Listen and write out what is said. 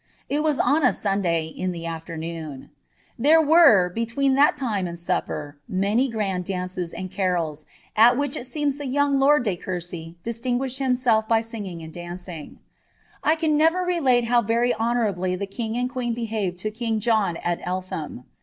It was on a Sunday, in the afternoon ; there were, he reen that time and supper, many grand dances and carols, at which it seras the young lord de Courcy distinguished himself by singing and neiog. 1 can never relate how very honourably the king and queen ihared to king John at Eltham.